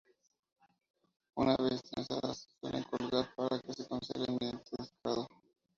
Una vez trenzadas se suelen colgar para que se conserven mediante desecado.